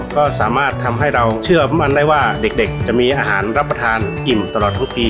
ก็สามารถทำให้เราเชื่อมั่นได้ว่าเด็กจะมีอาหารรับประทานอิ่มตลอดทั้งปี